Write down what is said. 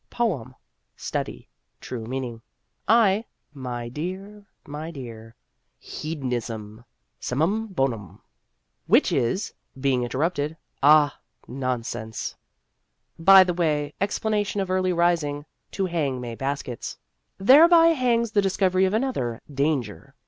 Poem study true meaning. I (my dear, my dear !) hedonism summum bonum. Which is being interpreted ah non sense. By the way, explanation of early rising to hang May baskets. Thereby hangs the discovery of another " Danger."